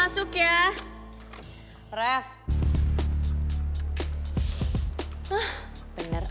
si haikal juga